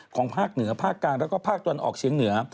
ภาคเหนือภาคกลางแล้วก็ภาคตะวันออกเชียงเหนือ